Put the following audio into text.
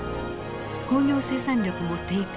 工業生産力も低下。